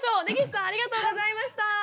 根岸さんありがとうございました！